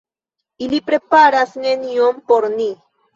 Ili preparas nenion por ni!